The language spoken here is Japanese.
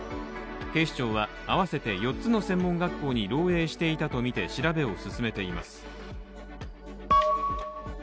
警視庁は合わせて４つの専門学校に漏えいしていたとみて調べを進めています。